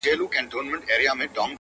ما يادوه چي کله لږ شانې اوزگاره شوې